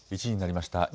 １時になりました。